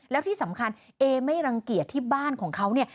แล้วที่สำคัญเอไม่รังเกียจที่บ้านของเขาเนี่ย